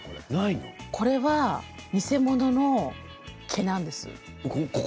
これは偽物の毛なんです。